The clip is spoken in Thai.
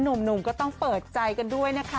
หนุ่มก็ต้องเปิดใจกันด้วยนะคะ